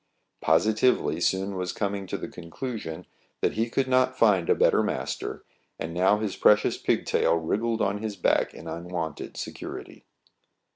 Positively Soun was coming to the conclusion that he could not find a better master, and now his precious pigtail wriggled on his back in unwonted security.